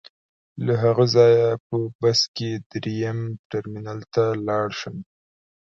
له هغه ځایه په بس کې درېیم ټرمینل ته لاړ شم.